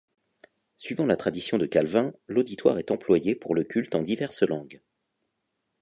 Suivant la tradition de Calvin, l'auditoire est employé pour le culte en diverses langues.